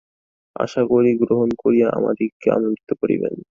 আশা করি গ্রহণ করিয়া আমাদিগকে আনন্দিত করিবেন।